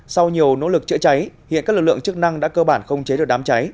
sau nhiều nỗ lực chữa cháy hiện các lực lượng chức năng đã cơ bản không chế được đám cháy